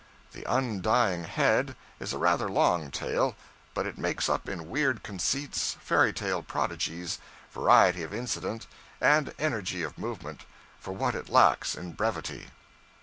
'The Undying Head' is a rather long tale, but it makes up in weird conceits, fairy tale prodigies, variety of incident, and energy of movement, for what it lacks in brevity.